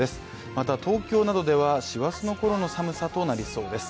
また、東京などでは師走のころの寒さとなりそうです。